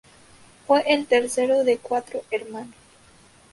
Fue el el tercero de cuatro hermanos.